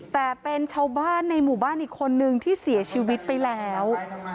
แต่เป็นชาวบ้านในหมู่บ้านอีกคนนึงที่เสียชีวิตไปแล้ว